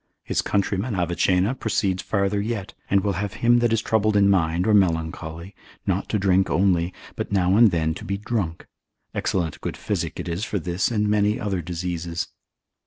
His countryman Avicenna, 31. doc. 2. cap. 8. proceeds farther yet, and will have him that is troubled in mind, or melancholy, not to drink only, but now and then to be drunk: excellent good physic it is for this and many other diseases.